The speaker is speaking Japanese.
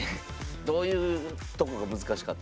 どういうとこが難しかった？